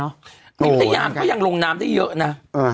อุทยานก็ยังลงน้ำได้เยอะนะ